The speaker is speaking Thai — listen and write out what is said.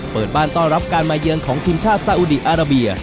เปิดบ้านต้อนรับการมาเยือนของทีมชาติซาอุดีอาราเบีย